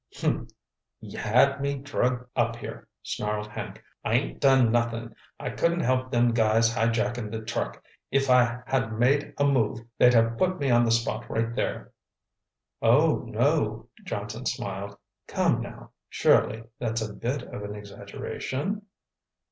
"Humph! Ye had me drug up here," snarled Hank. "I ain't done nuthin'—I couldn't help them guys highjackin' the truck. If I'd ha' made a move they'd have put me on the spot right there." "Oh, no," Johnson smiled, "come now—surely that's a bit of an exaggeration?"